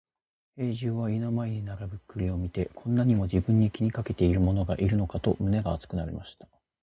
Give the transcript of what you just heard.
兵十は家の前に並ぶ栗を見て、こんなにも自分を気にかける者がいるのかと胸が熱くなりました。